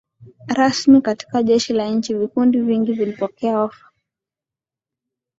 rasmi katika jeshi la nchi Vikundi vingi vilipokea ofa